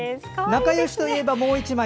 仲よしといえばもう１枚。